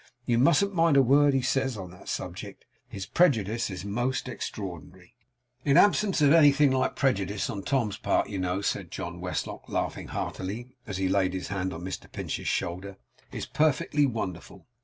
You mustn't mind a word he says on that subject. His prejudice is most extraordinary.' 'The absence of anything like prejudice on Tom's part, you know,' said John Westlock, laughing heartily, as he laid his hand on Mr Pinch's shoulder, 'is perfectly wonderful.